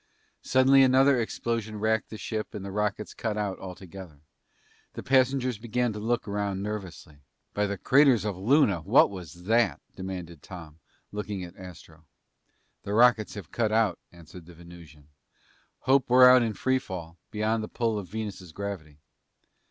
Suddenly another explosion racked the ship and the rockets cut out all together. The passengers began to look around nervously. "By the craters of Luna, what was that?" demanded Tom, looking at Astro. "The rockets have cut out," answered the Venusian. "Hope we're out in free fall, beyond the pull of Venus' gravity."